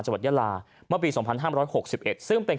จับท์ย่าลาเมื่อปีสองพันห้ามร้อยหกสิบเอ็ดซึ่งเป็น